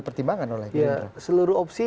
pertimbangan oleh beliau seluruh opsi